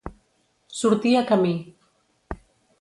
Sortir a camí.